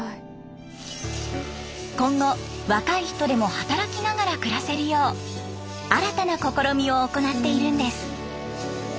今後若い人でも働きながら暮らせるよう新たな試みを行っているんです。